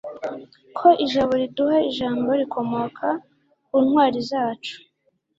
ko ijabo riduha ijambo rikomoka ku ntwari zacu